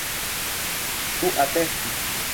Ĉu atesti?